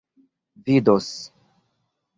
vidos